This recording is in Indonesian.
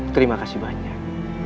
terima kasih banyak